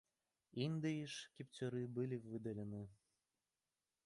Індыі ж кіпцюры былі выдалены.